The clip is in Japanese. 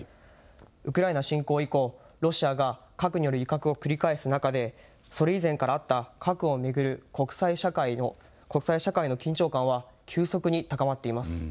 ウクライナ侵攻以降、ロシアが核による威嚇を繰り返す中でそれ以前からあった核を巡る国際社会の緊張感は急速に高まっています。